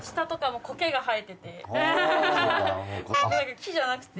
木じゃなくて。